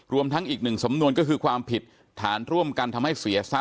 รวมทั้งอีกหนึ่งสำนวนก็คือความผิดฐานร่วมกันทำให้เสียทรัพ